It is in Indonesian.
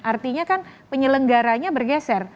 artinya kan penyelenggaranya bergeser